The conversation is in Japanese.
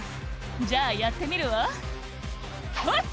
「じゃあやってみるわハッ！」